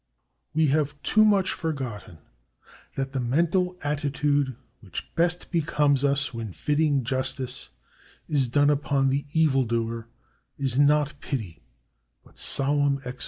We have too much forgotten that the mental attitude which best becomes us, when fitting justice is done upon the evildoer, is not pity, but solemn exultation.